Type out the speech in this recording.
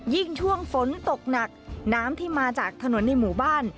ยิ่งช่วงฝนตกหนักน้ำที่มาจากถนนในหมู่บ้าน